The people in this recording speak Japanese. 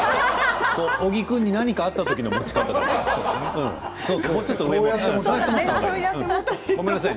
小木君に何かあったときの持ち方ですよ。